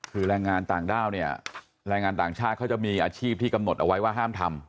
คือแรงงานต่างด้าวเนี่ยแรงงานต่างชาติเขาจะมีอาชีพที่กำหนดเอาไว้ว่าห้ามทำ